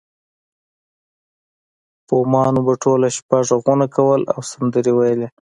بومانو به ټوله شپه غږونه کول او سندرې ویلې